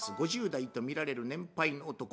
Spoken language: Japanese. ５０代と見られる年配の男。